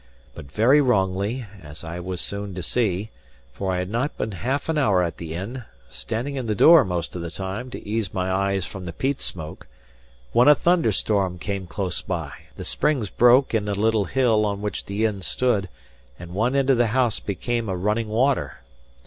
But very wrongly, as I was soon to see; for I had not been half an hour at the inn (standing in the door most of the time, to ease my eyes from the peat smoke) when a thunderstorm came close by, the springs broke in a little hill on which the inn stood, and one end of the house became a running water.